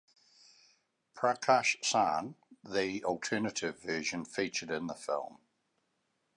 Prakash sung the alternate version featured in the film.